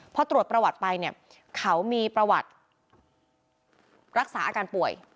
พอตรวจประวัติไปเนี่ยเขามีประวัติรักษาอาการป่วย